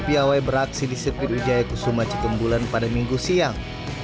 piawai beraksi di sirkuit wijaya kusuma cikembulan pada minggu siang